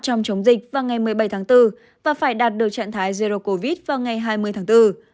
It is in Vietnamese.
trong chống dịch vào ngày một mươi bảy tháng bốn và phải đạt được trạng thái zero covid vào ngày hai mươi tháng bốn